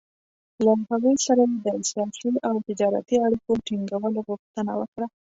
له هغوی سره یې د سیاسي او تجارتي اړیکو ټینګولو غوښتنه وکړه.